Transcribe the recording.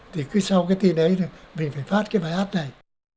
thì cứ sau cái tin ấy mình phải phát cái bài hát này